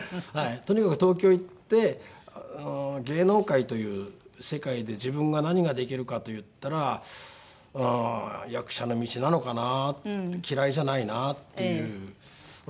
とにかく東京行って芸能界という世界で自分が何ができるかといったら役者の道なのかな嫌いじゃないなっていう思いがあって。